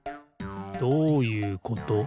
どういうこと？